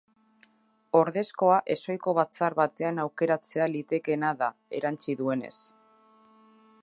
Ordezkoa ezohiko batzar batean aukeratzea litekeena da, erantsi duenez.